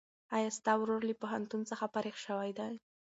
ایا ستا ورور له پوهنتون څخه فارغ شوی دی؟